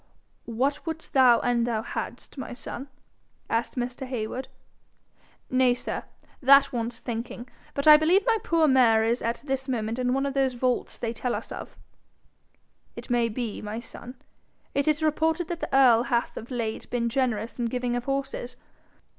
'What wouldst thou an' thou hadst, my son?' asked Mr. Heywood. 'Nay, sir, that wants thinking. But I believe my poor mare is at this moment in one of those vaults they tell us of.' 'It may be, my son. It is reported that the earl hath of late been generous in giving of horses.